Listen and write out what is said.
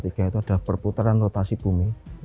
itu ada perputaran rotasi bumi